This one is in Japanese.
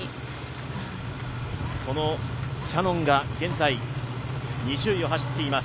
そのキヤノンが現在２０位を走っています。